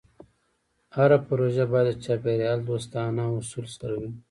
هره پروژه باید د چاپېریال دوستانه اصولو سره وي.